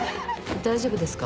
大丈夫ですか？